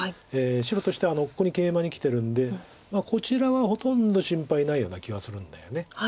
白としてはここにケイマにきてるんでこちらはほとんど心配ないような気はするんだよね。